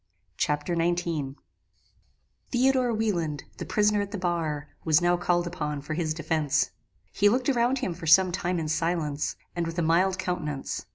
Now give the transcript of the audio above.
Chapter XIX "Theodore Wieland, the prisoner at the bar, was now called upon for his defence. He looked around him for some time in silence, and with a mild countenance.